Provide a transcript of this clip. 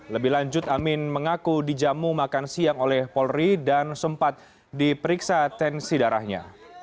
lebih lanjut amin mengaku dijamu makan siang oleh polri dan sempat diperiksa tensi darahnya